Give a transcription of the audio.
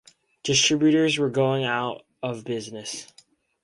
Distributors were going out of business.